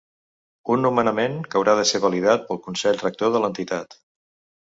Un nomenament que haurà de ser validat pel consell rector de l’entitat.